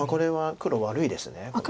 黒悪いですか。